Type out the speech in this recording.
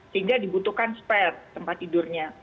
sehingga dibutuhkan spare tempat tidurnya